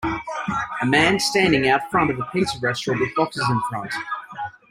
A man standing out front of a pizza restaurant with boxes in front.